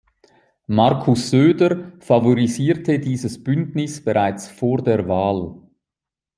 Markus Söder favorisierte dieses Bündnis bereits vor der Wahl.